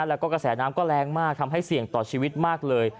แล้วก็กระแสน้ำก็แรงมากทำให้เสี่ยงต่อชีวิตมากเลย